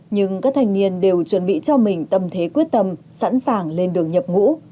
nhưng các thanh niên đều chuẩn bị cho mình tâm thế quyết tâm sẵn sàng lên đường nhập ngũ